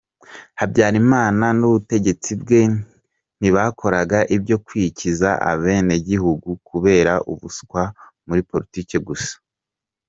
Habyarimana n’ubutegetsi bwe, ntibakoraga ibyo kwikiza abenegihugu kubera ubuswa muri politiki gusa.